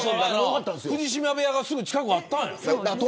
藤島部屋がすぐ近くにあったんよ。